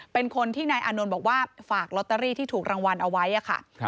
เป็นคนที่นายอานนท์บอกว่าฝากลอตเตอรี่ที่ถูกรางวัลเอาไว้ค่ะ